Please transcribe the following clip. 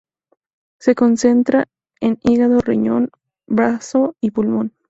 Se concentra en hígado, riñón, bazo y pulmón.